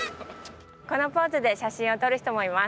このポーズで写真を撮る人もいます。